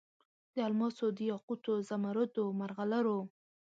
د الماسو، دیاقوتو، زمرودو، مرغلرو